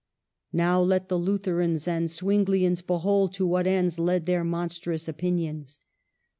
Now let the Lutherans and Zwinghans behold to what ends led their monstrous opinions